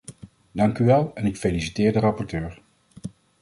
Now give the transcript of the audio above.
Dankuwel, en ik feliciteer de rapporteur.